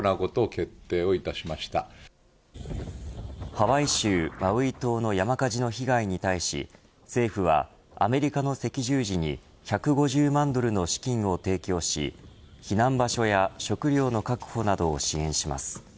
ハワイ州マウイ島の山火事の被害に対し政府はアメリカの赤十字に１５０万ドルの資金を提供し避難場所や食料の確保などを支援します。